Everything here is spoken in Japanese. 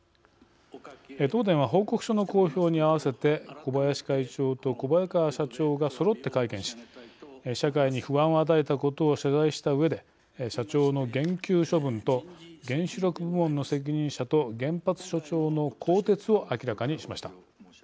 東電は、報告書の公表に合わせて小林会長と小早川社長がそろって会見し社会に不安を与えたことを謝罪したうえで社長の減給処分と原子力部門の責任者と原発所長の更迭を明らかにしました。